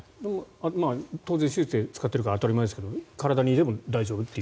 当然手術で使っているから当たり前ですが体に入れても大丈夫という。